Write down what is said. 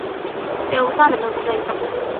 Se usa a menudo en sopas.